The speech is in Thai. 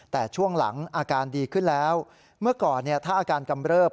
แต่ช่วงหลังอาการดีขึ้นแล้วเมื่อก่อนถ้าอาการกำเริบ